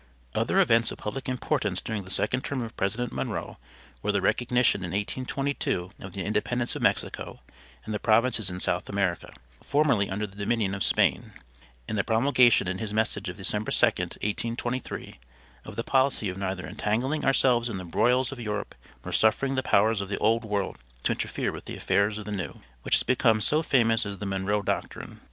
Other events of public importance during the second term of President Monroe were the recognition in 1822 of the independence of Mexico, and the provinces in South America, formerly under the dominion of Spain; and the promulgation in his message of December 2, 1823, of the policy of 'neither entangling ourselves in the broils of Europe, nor suffering the powers of the old world to interfere with the affairs of the new,' which has become so famous as the "Monroe Doctrine."